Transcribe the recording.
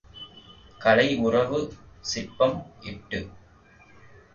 கலை உறவு சிற்பம் எட்டு.